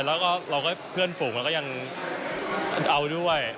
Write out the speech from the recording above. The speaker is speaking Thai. แล้วก็เราก็เพื่อนฝูงเราก็ยังเอาด้วย